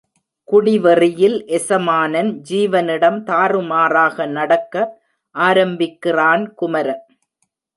குடிவெறியில் எசமானன் ஜீவனிடம் தாறுமாறாக நடக்க ஆரம்பிக்கிறான் குமரன்.